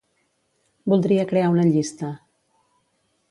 Voldria crear una llista.